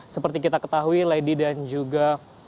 seperti kita ketahui lady dan juga